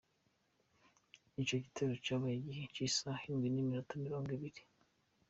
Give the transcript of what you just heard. Ico gitero kibaye igihe c’isaha indwi n’iminota mirongo ibiri.